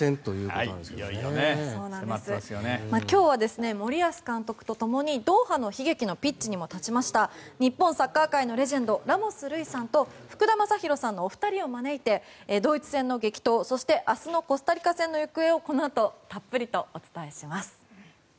今日は森保監督とともにドーハの悲劇のピッチにも立ちました日本サッカー界のレジェンドラモス瑠偉さんと福田正博さんの２人を招いてドイツ戦の激闘、そして明日のコスタリカ戦の行方をこのあとたっぷりとお伝えします。